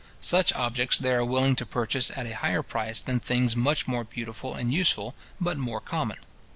Such objects they are willing to purchase at a higher price than things much more beautiful and useful, but more common.